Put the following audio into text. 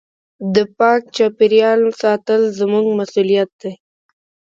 د پاک چاپېریال ساتل زموږ مسؤلیت دی.